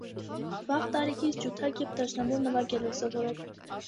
Վաղ տարիքից ջութակ և դաշնամուր նվագել է սովորել։